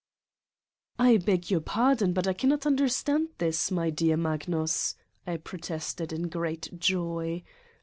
"I beg your pardon but I cannot understand this, my dear Magnus!" I protested in great joy.